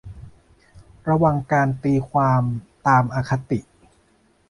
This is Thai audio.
ระวังการตีความตามอคติ